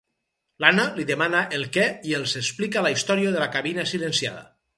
L'Anna li demana el què i els explica la història de la cabina silenciada.